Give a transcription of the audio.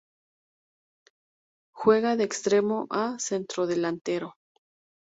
Juega de extremo o centrodelantero.